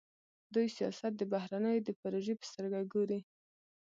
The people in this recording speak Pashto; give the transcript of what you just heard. دوی سیاست د بهرنیو د پروژې په سترګه ګوري.